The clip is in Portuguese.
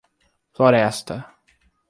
Floresta